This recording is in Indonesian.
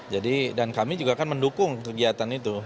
jadi dan kami juga kan mendukung kegiatan itu